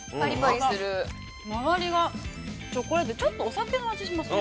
◆まわりがチョコレートで、ちょっとお酒の味がしますね。